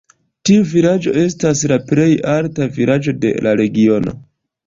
Tiu vilaĝo estas la plej alta vilaĝo de la regiono.